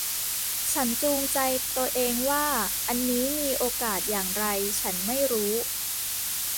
ฉันจูงใจตัวเองว่าอันนี้มีโอกาสอย่างไร ฉันไม่รู้